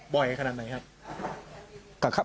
บ่อยขนาดไหนครับ